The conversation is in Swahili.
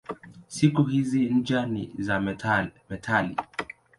Siku hizi ncha ni za metali.